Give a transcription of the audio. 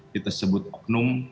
kita sebut oknum